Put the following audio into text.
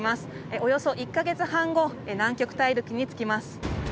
およそ１か月半後南極大陸に着きます。